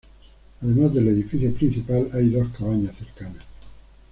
Además del edificio principal, hay dos cabañas cercanas.